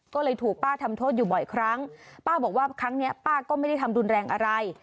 ก็เลยถูกป้าทำโทษอยู่บ่อยครั้งป้าบอกว่าครั้งเนี้ยป้าก็ไม่ได้ทำรุนแรงอะไร